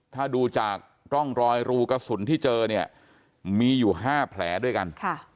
ถ้าดูจากร่องรอยรูกระสุนที่เจอเนี่ยมีอยู่๕แผลด้วยกัน